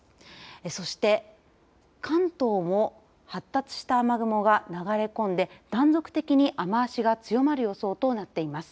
そして、関東も発達した雨雲が流れ込んで断続的に雨足が強まる予想となっています。